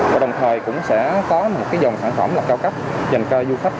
và đồng thời cũng sẽ có một dòng sản phẩm cao cấp dành cho du khách